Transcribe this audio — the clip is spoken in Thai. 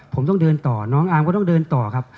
ผมต้องเดินต่อน้องอาร์มก็ต้องเดินต่อครับ